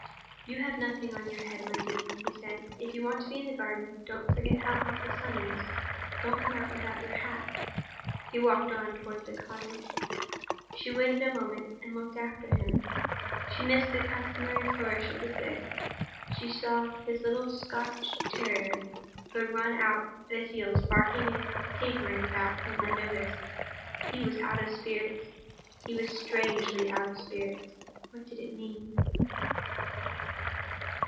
"You have nothing on your head, my dear," he said. "If you want to be in the garden, don't forget how hot the sun is—don't come out without your hat." He walked on toward the cottage. She waited a moment, and looked after him. She missed the customary flourish of his stick; she saw his little Scotch terrier, who had run out at his heels, barking and capering about him unnoticed. He was out of spirits: he was strangely out of spirits. What did it mean?